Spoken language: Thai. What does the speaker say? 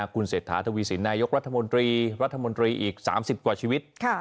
คุณเศรษฐาทวีสินนายกรัฐมนตรีรัฐมนตรีอีก๓๐กว่าชีวิต